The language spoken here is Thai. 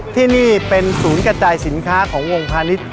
ที่นี่เป็นศูนย์กระจายสินค้าของวงพาณิชย